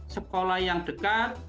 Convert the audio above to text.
sekolah yang dekat